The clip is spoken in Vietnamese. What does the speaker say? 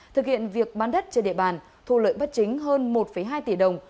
thực hiện việc bán đất trên địa bàn thu lợi bất chính hơn một hai tỷ đồng